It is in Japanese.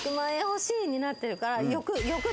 欲しいになってるから。